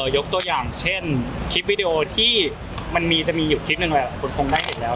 ยกตัวอย่างเช่นคลิปวิดีโอที่มันมีจะมีอยู่คลิปหนึ่งแหละคุณคงได้เห็นแล้ว